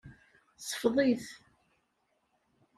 Ṣfeḍ-it.